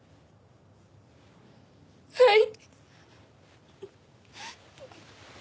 はい。